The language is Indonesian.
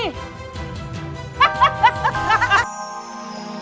sampai jumpa lagi